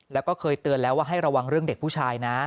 แล้วก็เคยเตือนแล้วว่าให้ระวังเรื่องเด็กผู้ชายนะ